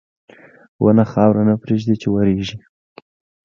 • ونه خاوره نه پرېږدي چې وریږي.